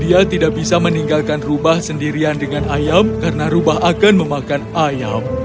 dia tidak bisa meninggalkan rubah sendirian dengan ayam karena rubah akan memakan ayam